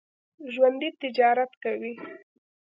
ژوندي تجارت کوي